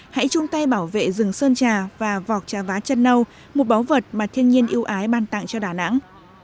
hãy chung tay bảo vệ rừng sơn trà và vọc trà vá chân nâu một báu vật mà thiên nhiên yêu ái ban tặng cho đà nẵng